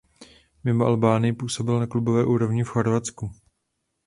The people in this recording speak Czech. Mimo Albánii působil na klubové úrovni v Chorvatsku.